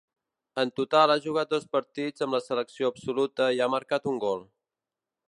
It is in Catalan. En total ha jugat dos partits amb la selecció absoluta i ha marcat un gol.